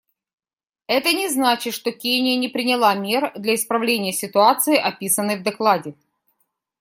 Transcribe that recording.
Это не значит, что Кения не приняла мер для исправления ситуации, описанной в докладе.